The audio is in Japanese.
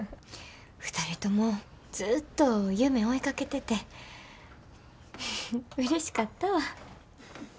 ２人ともずっと夢追いかけててうれしかったわ。